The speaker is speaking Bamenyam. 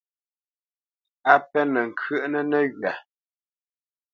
A pénə̄ ŋkyə́ʼnə́ nəghywa.